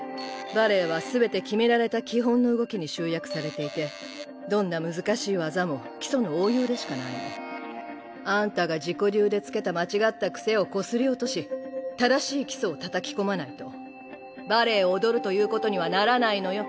バレエは全て決められた基本の動きに集約されていてどんな難しい技も基礎の応用でしかないの。あんたが自己流で付けた間違った癖をこすり落とし正しい基礎をたたき込まないとバレエを踊るということにはならないのよ。